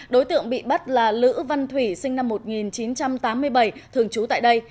đối tượng bị bắt là lữ văn thủy sinh năm một nghìn chín trăm tám mươi bảy thường trú tại đây